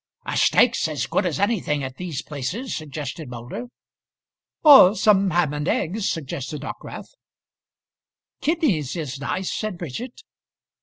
"A steak's as good as anything at these places," suggested Moulder. "Or some ham and eggs," suggested Dockwrath. "Kidneys is nice," said Bridget.